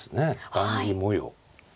雁木模様。